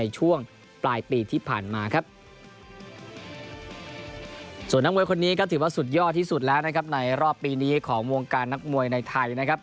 ส่วนนักมวยคนนี้ก็ถือว่าสุดยอดที่สุดแล้วนะครับในรอบปีนี้ของวงการนักมวยในไทยนะครับ